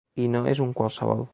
I no és un qualsevol.